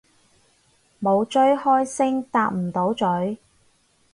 冇追開星搭唔到咀